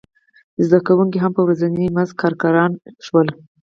زده کوونکي هم په ورځیني مزد کارګران شول.